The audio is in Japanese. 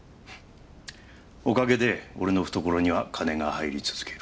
おかげで俺の懐には金が入り続ける。